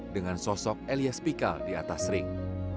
dengan sosok elias pikal di atas ring